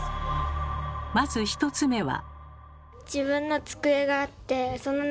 まず１つ目は。